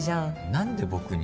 何で僕に。